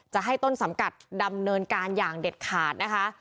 จะให้ต้นสังกัดดำเนินการอย่างเด็ดขาดนะคะ